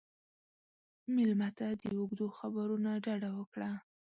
مېلمه ته د اوږدو خبرو نه ډډه وکړه.